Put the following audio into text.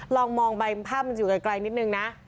ลองมองไปภาพมันอยู่ไกลนิดนึงนะ